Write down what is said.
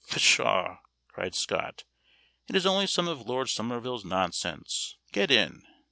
"Pshaw," cried Scott, "it is only some of Lord Somerville's nonsense get in!"